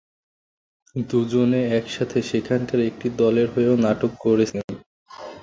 দুজনে একসাথে সেখানের একটি দলের হয়েও নাটক করেছেন।